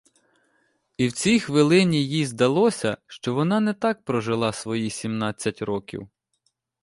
І в цій хвилині їй здалося, що вона не так прожила свої сімнадцять років.